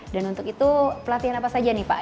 dan untuk itu pelatihan apa saja nih pak